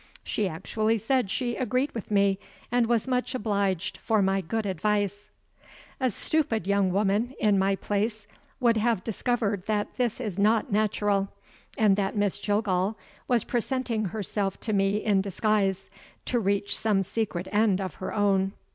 She actually said she agreed with me, and was much obliged for my good advice! A stupid young woman, in my place, would have discovered that this was not natural, and that Miss Jillgall was presenting herself to me in disguise, to reach some secret end of her own.